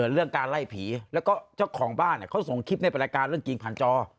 เรื่องการไล่ผีแล้วก็เจ้าของบ้านเขาส่งคลิปในรายการเรื่องจริงผ่านจอ